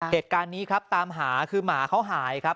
เหตุการณ์นี้ครับตามหาคือหมาเขาหายครับ